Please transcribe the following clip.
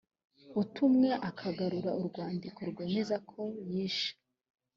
utumwe akagarura urwandiko rwemeza ko yishe